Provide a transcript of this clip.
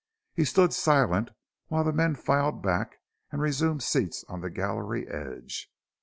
He stood silent while the men filed back and resumed seats on the gallery edge.